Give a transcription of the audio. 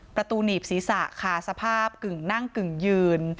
ประตูหนีบศีรษะค่ะสภาพกึ่งนั่งกึ่งยืน